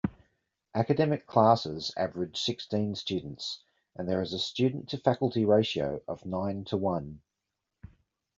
Academic classes average sixteen students, and there is a student-to-faculty ratio of nine-to-one.